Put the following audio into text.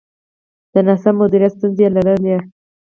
د ناسم مدیریت ستونزې یې لرلې.